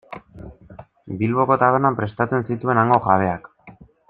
Bilboko tabernan prestatzen zituen hango jabeak.